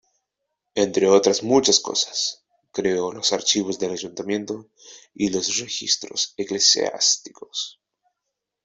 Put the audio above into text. Entre otras muchas cosas, creó los archivos del Ayuntamiento y los registros eclesiásticos.